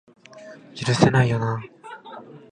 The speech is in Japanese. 許せないよな